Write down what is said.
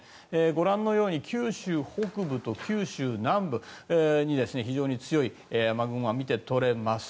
ご覧のように九州北部と九州南部に非常に強い雨雲が見て取れます。